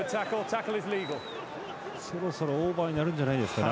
そろそろオーバーになるんじゃないですかね。